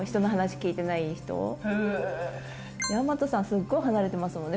すっごい離れてますもんね